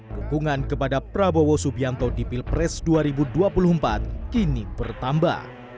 dukungan kepada prabowo subianto di pilpres dua ribu dua puluh empat kini bertambah